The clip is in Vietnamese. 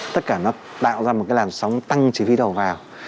tất cả nó tạo ra một cái làn sóng tăng chi phí đầu vào